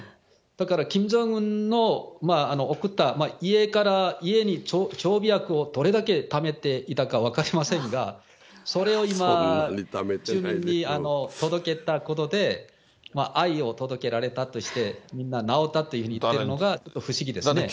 だからキム・ジョンウンの送った、家に常備薬をどれだけためていたか分かりませんが、それを今、住民に届けたことで、愛を届けられたとして、みんな治ったというふうに言ってるのが、ちょっと不思議ですね。